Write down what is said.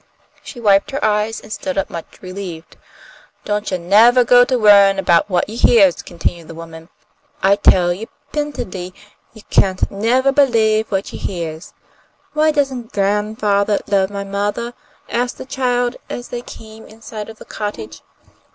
She wiped her eyes and stood up much relieved. "Don't you nevah go to worryin' 'bout what you heahs," continued the woman. "I tell you p'intedly you cyarnt nevah b'lieve what you heahs." "Why doesn't gran'fathah love my mothah?" asked the child, as they came in sight of the cottage.